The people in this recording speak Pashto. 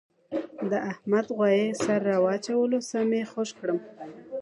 د احمد غوایه سر را واچولو سم یې خوږ کړم.